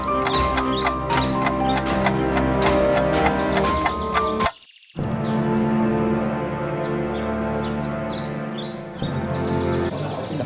สวัสดีครับ